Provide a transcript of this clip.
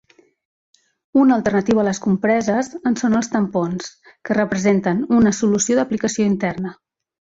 Una alternativa a les compreses en són els tampons, que representen una solució d'aplicació interna.